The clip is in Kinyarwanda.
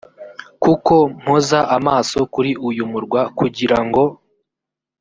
kuko mpoza amaso kuri uyu murwa kugira ngo